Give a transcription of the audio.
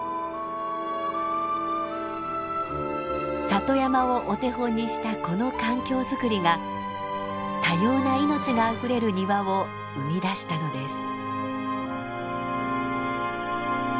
里山をお手本にしたこの環境づくりが多様な命があふれる庭を生み出したのです。